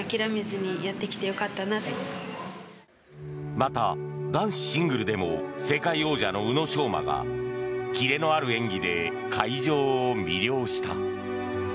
また、男子シングルでも世界王者の宇野昌磨がキレのある演技で会場を魅了した。